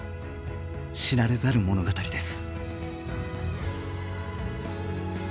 知られざる物語です。